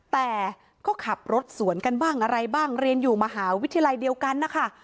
แต่ก็ขับรถสวนกันบ้างอะไรบ้างเรียนอยู่มหาวิทยาลัยเดียวกันนะคะ